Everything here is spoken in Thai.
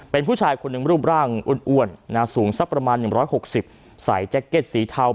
เป็นผู้ชายคนหนึ่งรูปร่างอ้วนสูงสักประมาณ๑๖๐ใส่แจ็คเก็ตสีเทา